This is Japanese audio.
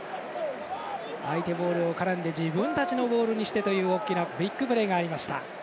相手ボールを絡んで自分たちのボールにしてという大きなビッグプレーがありました。